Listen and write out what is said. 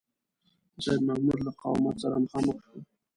د سیدمحمود له مقاومت سره مخامخ شو.